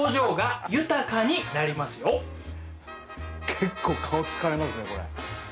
結構顔疲れますねこれ。